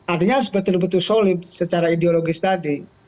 artinya harus betul betul solid secara ideologis tadi